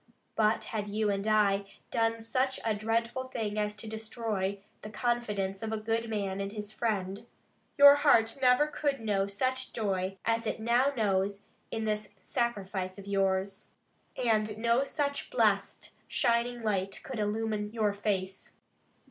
But had you and I done such a dreadful thing as to destroy the confidence of a good man in his friend, your heart never could know such joy as it now knows in this sacrifice of yours; and no such blessed, shining light could illumine your face.